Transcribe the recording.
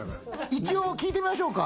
一応聞いてみましょうか。